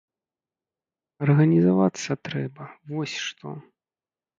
Арганізавацца трэба, вось што.